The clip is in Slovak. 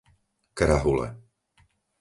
Krahule